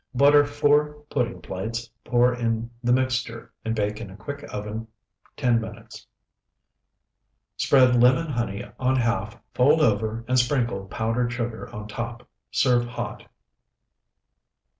Butter four pudding plates, pour in the mixture, and bake in a quick oven ten minutes. Spread lemon honey on half, fold over, and sprinkle powdered sugar on top. Serve hot.